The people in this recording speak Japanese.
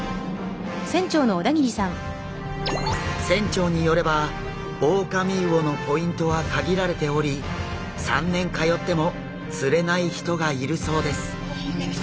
船長によればオオカミウオのポイントは限られており３年通っても釣れない人がいるそうです。